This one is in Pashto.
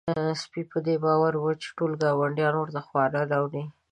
سپی په دې باور و چې ټول ګاونډیان ورته خواړه راوړي.